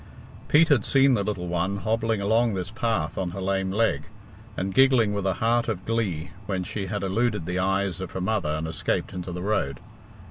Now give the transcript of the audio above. Pete had seen the little one hobbling along this path on her lame leg, and giggling with a heart of glee when she had eluded the eyes of her mother and escaped into the road.